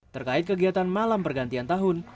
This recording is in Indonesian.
terkait kegiatan malam pergantian tahun